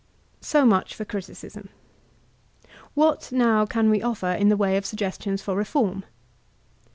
So much for critictsm. What, now, can we offer in the way of suggestions for reform?